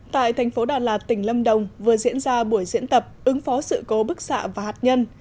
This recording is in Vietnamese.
tại thành phố đà lạt tỉnh lâm đồng vừa diễn ra buổi diễn tập ứng phó sự cố bức xạ và hạt nhân